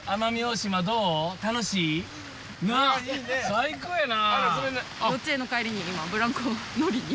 最高やな。